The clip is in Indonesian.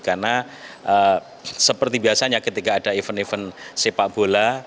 karena seperti biasanya ketika ada event event sepak bola